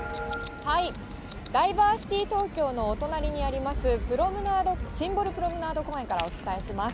ダイバーシティ東京のお隣にあります、シンボルプロムナード公園からお伝えします。